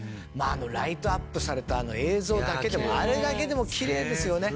ライトアップされた映像だけでもあれだけでも奇麗ですよね。